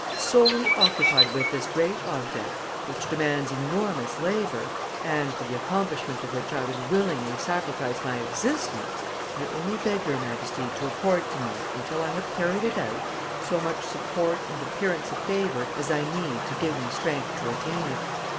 Solely occupied with this great object, which demands enormous labor, and for the accomplishment of which I would willingly sacrifice my existence, I only beg your Majesty to accord to me, until I have carried it out, so much support and appearance of favor as I need to give me strength to attain it.